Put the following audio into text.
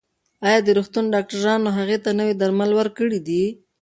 ایا د روغتون ډاکټرانو هغې ته نوي درمل ورکړي دي؟